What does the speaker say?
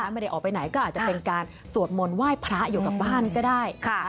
ไม่ได้ออกไปไหนก็อาจจะเป็นการสวดมนต์ไหว้พระอยู่กับบ้านก็ได้